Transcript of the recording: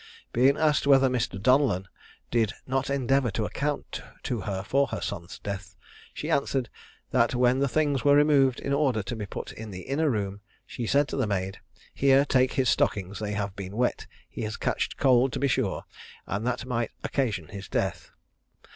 Being asked whether Mr. Donellan did not endeavour to account to her for her son's death, she answered, that when the things were removed in order to be put in the inner room, he said to the maid, "Here, take his stockings; they have been wet; he has catched cold, to be sure: and that might occasion his death."